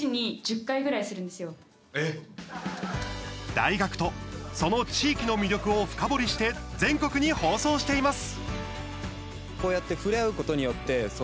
大学と、その地域の魅力を深掘りして全国に放送しています。